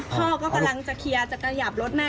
พ่อก็กำลังจะเคลียร์จะขยับรถแม่